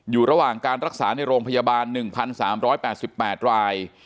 อยู่ระหว่างการรักษาในโรงพยาบาล๑๓๘๘ราย